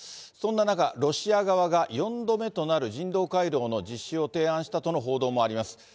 そんな中、ロシア側が、４度目となる人道回廊の実施を提案したとの報道もあります。